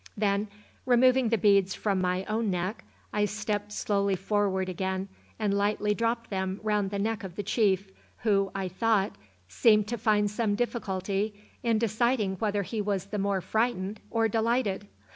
Then, removing the beads from my own neck, I stepped slowly forward again and lightly dropped them round the neck of the chief, who, I thought, seemed to find some difficulty in deciding whether he was the more frightened or delighted.